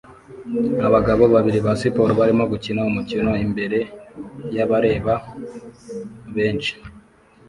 Abagabo babiri ba siporo barimo gukina umukino imbere yabareba benshi